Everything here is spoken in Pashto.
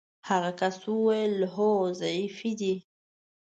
هغه کس وویل: هو ضعیفې دي.